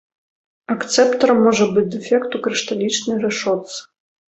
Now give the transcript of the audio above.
Акцэптарам можа быць дэфект у крышталічнай рашотцы.